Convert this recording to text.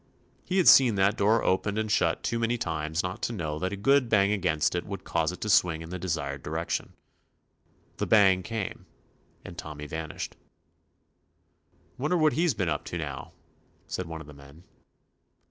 He had seen that door opened and shut too many times not to know that a good bang against it would cause it to swing in the desired direction. 63 THE ADVENTURES OF The bang came, and Tommy van ished. "Wonder what he 's been up to now?" said one of the men.